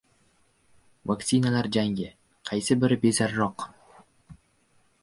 Vaktsinalar "jangi": qaysi biri bezararroq?